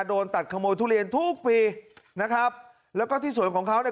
โดนตัดขโมยทุเรียนทุกปีนะครับแล้วก็ที่สวนของเขาเนี่ย